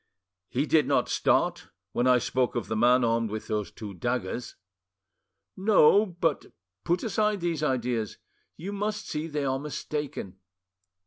"He did not start when I spoke of the man armed with those two daggers?" "No. But put aside these ideas; you must see they are mistaken."